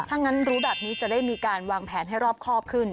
ถ้างั้นรู้แบบนี้จะได้มีการวางแผนให้รอบครอบขึ้น